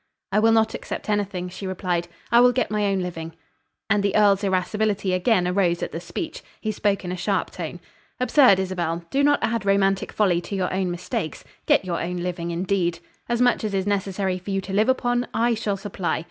"I will not accept anything," she replied. "I will get my own living." And the earl's irascibility again arose at the speech. He spoke in a sharp tone. "Absurd, Isabel! Do not add romantic folly to your own mistakes. Get your own living, indeed! As much as is necessary for you to live upon, I shall supply.